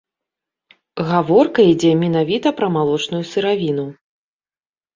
Гаворка ідзе менавіта пра малочную сыравіну.